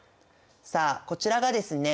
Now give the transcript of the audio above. さあこちらがですね